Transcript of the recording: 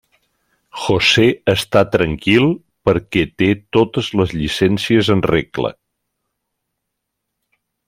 José està tranquil, perquè té totes les llicències en regla.